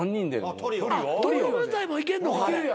トリオ漫才もいけんのか。